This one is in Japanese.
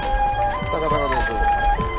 高砂です